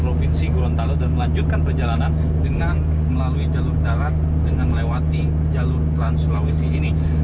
provinsi gorontalo dan melanjutkan perjalanan dengan melalui jalur darat dengan melewati jalur trans sulawesi ini